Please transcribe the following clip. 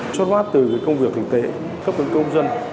chốt bát từ công việc thực tế cấp cân cước công dân